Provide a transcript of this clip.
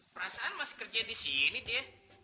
perasaan masih kerja disini dia